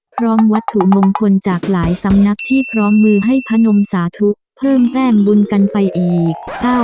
วัตถุมงคลจากหลายสำนักที่พร้อมมือให้พนมสาธุเพิ่มแต้มบุญกันไปอีก